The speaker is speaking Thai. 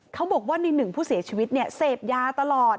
เขาบอกว่าในหนึ่งผู้เสียชีวิตเนี่ยเสพยาตลอด